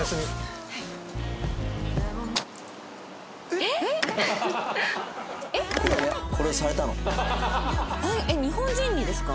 「えっ日本人にですか？」